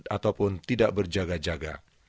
ataupun tidak berjaga jaga